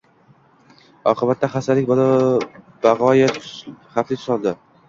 Oqibatda xastalik bag‘oyat xavfli tus oldi